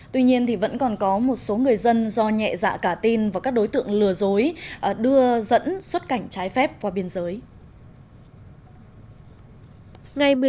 tuy nhiên vẫn còn có một số người dân do nhẹ dạ cả tin và các đối tượng lừa dối đưa dẫn xuất cảnh trái phép qua biên giới